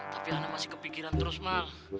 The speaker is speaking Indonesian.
tapi ana masih kepikiran terus mak